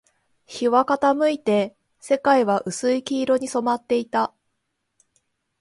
日は傾いて、世界は薄い黄色に染まっていた